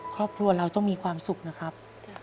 ครอบครัวเราต้องมีความสุขนะครับ